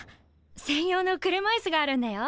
専用の車いすがあるんだよ。